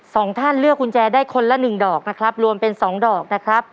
สองท่านเลือกกุญแจได้คนละหนึ่งดอกนะครับรวมเป็นสองดอกนะครับ